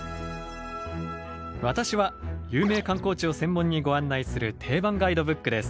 私は有名観光地を専門にご案内する定番ガイドブックです。